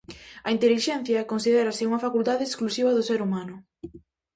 A intelixencia considérase unha facultade exclusiva do ser humano.